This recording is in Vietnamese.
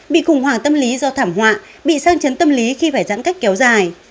bị khủng hoảng tâm lý do thảm họa bị sang chấn tâm lý khi phải giãn cách kéo dài